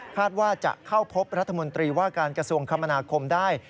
ว่าจะเข้าพบรัฐมนตรีว่าการกระทรวงคมนาคมได้